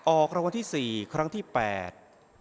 ออกรางวัลที่สี่ครั้งที่แปด